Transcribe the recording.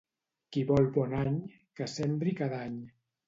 Qui vol bon any, que sembri cada any.